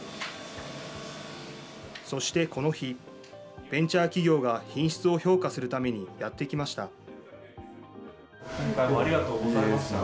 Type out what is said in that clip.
そしてこの日、ベンチャー企業が品質を評価するためにやって来ました。